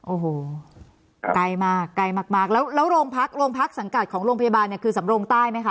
โอ้โหใกล้มากแล้วโรงพักสังกัดของโรงพยาบาลเนี่ยคือสำรวงใต้ไหมคะ